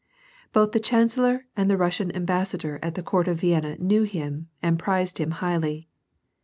Both the chancellor and the Russian embassador at the court of Vienna knew him and prized him highly.